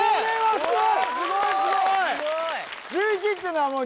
すごい！